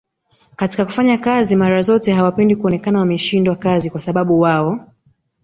katika kufanya kazi mara zote hawapendi kuonekana wameshindwa kazi kwasababu wao